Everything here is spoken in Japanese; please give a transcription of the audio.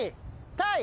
タイ。